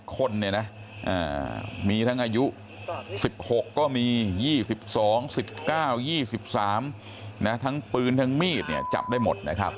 คนเนี่ยนะมีทั้งอายุ๑๖ก็มี๒๒๑๙๒๓ทั้งปืนทั้งมีดเนี่ยจับได้หมดนะครับ